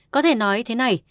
có thể nói thế này